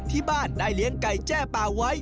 ที่บ้านได้เลี้ยงไก่แจ้ป่าไว้